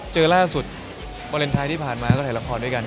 เจอล่าสุดวาเลนไทยที่ผ่านมาก็ถ่ายละครด้วยกัน